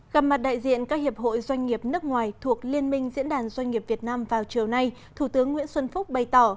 gặp mặt đại diện các hiệp hội doanh nghiệp nước ngoài thuộc liên minh diễn đàn doanh nghiệp việt nam vào chiều nay thủ tướng nguyễn xuân phúc bày tỏ